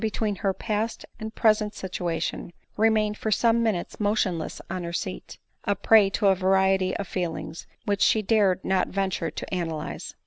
149 between her past and present situation, remained for some minutes motionless on her seat, a prey to a variety of feelings which she dared not venture to analyse.